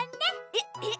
えっ？えっ？